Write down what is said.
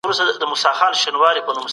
ولي د انسان حماقت نه ختمیږي؟